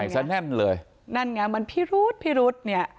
ซะแน่นเลยนั่นไงมันพิรุษพิรุษเนี่ย